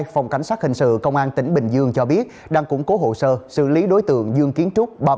phòng cảnh sát hình sự công an tỉnh bình dương cho biết đang củng cố hồ sơ xử lý đối tượng dương kiến trúc